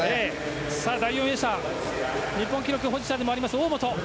第４泳者日本記録保持者でもある大本。